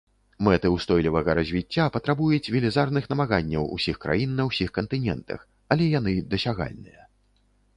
Мэты ўстойлівага развіцця патрабуюць велізарных намаганняў усіх краін на ўсіх кантынентах, але яны дасягальныя.